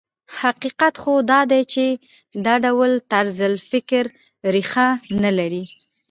حقیقت خو دا دی چې دا ډول طرز فکر ريښه نه لري.